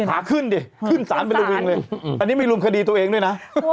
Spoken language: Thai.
อันนี้มีรวมคดีตัวเองด้วยนะ